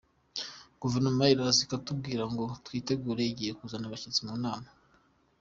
Guverinoma iraza ikatubwira ngo twitegure igiye kuzana abashyitsi mu nama.